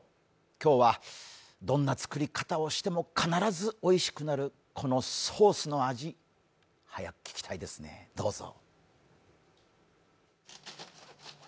今日はどんな作り方をしても必ずおいしくなるこのソースの味、早く聴きたいですね、どうぞ。